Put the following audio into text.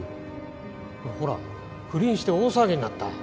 ほら不倫して大騒ぎになった。